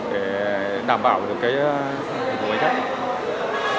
để đảm bảo được cái hình của mấy khách